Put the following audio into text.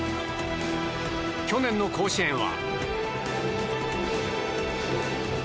去年の甲子園は。